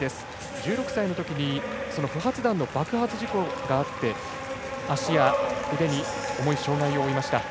１６歳のときに不発弾の爆発事故があって足や腕に重い障がいを負いました。